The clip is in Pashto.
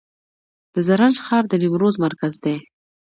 د زرنج ښار د نیمروز مرکز دی